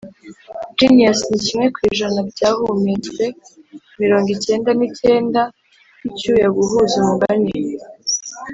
genius ni kimwe ku ijana byahumetswe, mirongo cyenda n'icyenda ku icyuya guhuza umugani